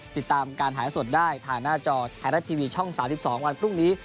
ติดตามการถ่ายสดได้ผ่านหน้าจอไทยรัฐทีวีช่อง๓๒วันพรุ่งนี้